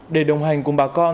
để đồng hành cùng bà con